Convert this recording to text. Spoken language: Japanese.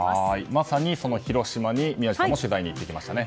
まさに広島に宮司さんも取材に行ってきましたね。